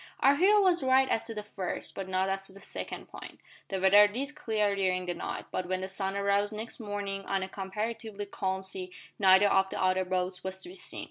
Our hero was right as to the first, but not as to the second, point. The weather did clear during the night, but when the sun arose next morning on a comparatively calm sea neither of the other boats was to be seen.